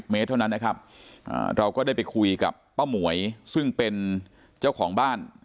เมตรเท่านั้นนะครับเราก็ได้ไปคุยกับป้าหมวยซึ่งเป็นเจ้าของบ้าน